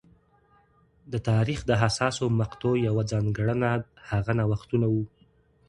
د تاریخ د حساسو مقطعو یوه ځانګړنه هغه نوښتونه وو